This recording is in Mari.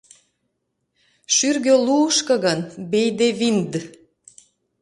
Шӱргӧ луышко гын — бейдевинд.